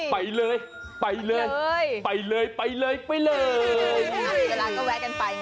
ไปเลยไปเลยไปเลยไปเลยไปเลย